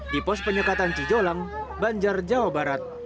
di pos penyekatan cijolang banjar jawa barat